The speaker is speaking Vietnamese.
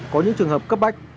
có những trường hợp cấp bách